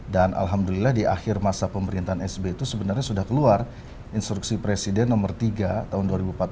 dan alhamdulillah di akhir masa pemerintahan sp itu sebenarnya sudah keluar instruksi presiden nomor tiga tahun dua ribu empat belas